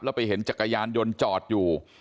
แล้วไปเห็นจักรยานยนต์จอดอยู่